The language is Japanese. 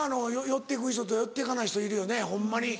寄って行く人と寄って行かない人いるよねホンマに。